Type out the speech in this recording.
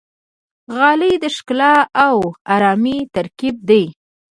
غالۍ د ښکلا او آرامۍ ترکیب دی.